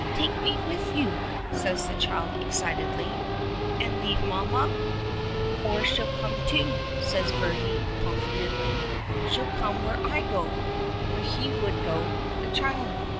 "Take me with you"? says the child, excitedly. "And leave mamma?" "Oh, she'll come, too," says Bertie, confidently. "She'll come where I go." Where he would go the child!